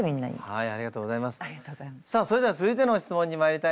はい。